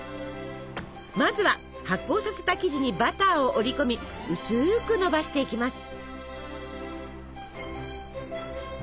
まずは発酵させた生地にバターを折り込み薄くのばしていきます。